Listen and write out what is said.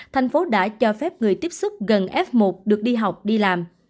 thành phố đã cho phép người tiếp xúc gần f một được đi học đi làm